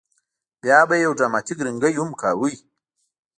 بیا به یې یو ډراماتیک رینګی هم کولو.